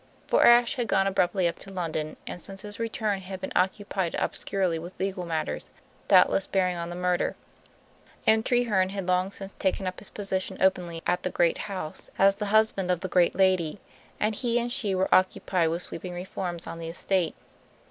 For Ashe had gone abruptly up to London, and since his return had been occupied obscurely with legal matters, doubtless bearing on the murder. And Treherne had long since taken up his position openly, at the great house, as the husband of the great lady, and he and she were occupied with sweeping reforms on the estate.